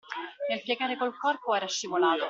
Nel piegare col corpo era scivolato.